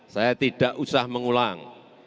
saya tidak usah mengulang